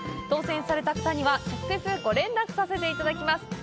当せんされた方には直接、ご連絡させていただきます。